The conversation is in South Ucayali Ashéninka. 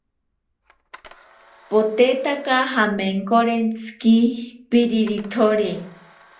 Potetaka jamenkorentziki pirithori